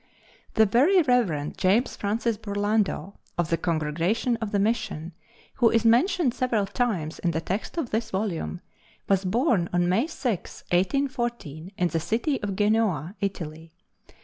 The Very Rev. James Francis Burlando, of the Congregation of the Mission, who is mentioned several times in the text of this volume, was born on May 6, 1814, in the city of Genoa, Italy.